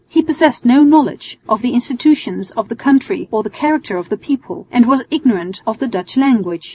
He possessed no knowledge of the institutions of the country or the character of the people, and was ignorant of the Dutch language.